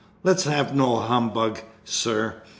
Let's have no humbug, sir.